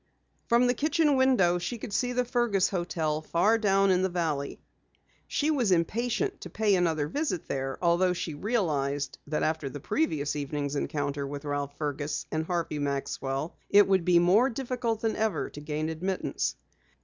From the kitchen window she could see the Fergus hotel far down in the valley. She was impatient to pay another visit there, although she realized that after the previous evening's encounter with Ralph Fergus and Harvey Maxwell, it would be more difficult than ever to gain admittance.